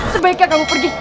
sebaiknya kamu pergi